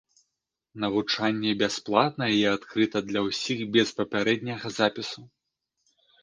Навучанне бясплатнае і адкрыта для ўсіх без папярэдняга запісу.